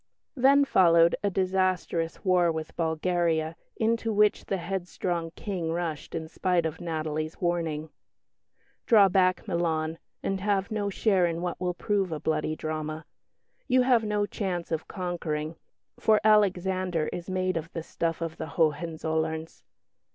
Then followed a disastrous war with Bulgaria into which the headstrong King rushed in spite of Natalie's warning "Draw back, Milan, and have no share in what will prove a bloody drama. You have no chance of conquering, for Alexander is made of the stuff of the Hohenzollerns."